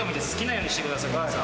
好きなようにしてください。